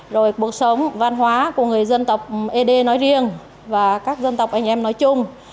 rồi cuộc sống văn hóa của người dân tộc ế đê nói riêng và các dân tộc anh em nói chung